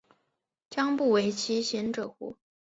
将不讳其嫌者乎？